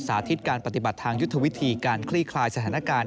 สาธิตการปฏิบัติทางยุทธวิธีการคลี่คลายสถานการณ์